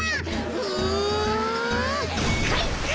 うんかいか！